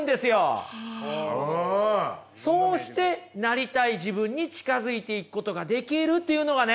そうしてなりたい自分に近づいていくことができるっていうのがね